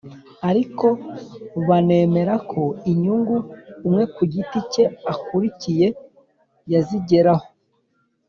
ariko banemera ko inyungu umwe ku giti cye akurikiye yazigeraho